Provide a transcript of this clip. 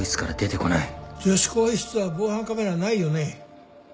女子更衣室は防犯カメラないよね？